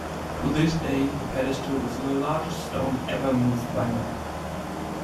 To this day the pedestal is the largest stone ever moved by man.